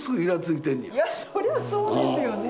いやそりゃそうですよね。